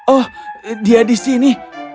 oh dia di sini